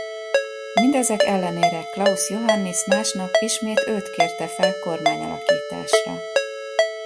Mindezek ellenére Klaus Johannis másnap ismét őt kérte fel kormányalakításra.